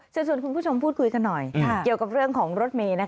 ส่วนคุณผู้ชมพูดคุยกันหน่อยเกี่ยวกับเรื่องของรถเมย์